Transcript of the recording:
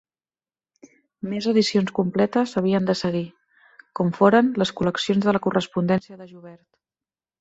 Més edicions completes havien de seguir, com foren les col·leccions de la correspondència de Joubert.